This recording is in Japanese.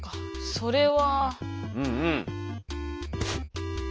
それは。